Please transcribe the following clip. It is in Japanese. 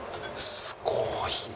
すごいね。